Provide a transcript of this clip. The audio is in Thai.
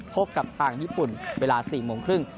พบกับทางญี่ปุ่นเวลา๔โมงครึ่ง